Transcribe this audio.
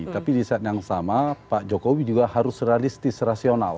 tapi di saat yang sama pak jokowi juga harus realistis rasional